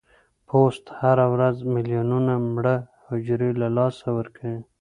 پوست هره ورځ ملیونونه مړه حجرې له لاسه ورکوي.